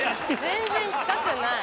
全然近くない。